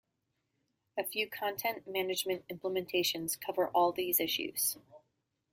A few content management implementations cover all these issues.